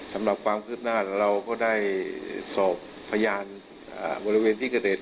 สำหรับความคืบหน้าเราก็ได้สอบพยานบริเวณที่กระเด็น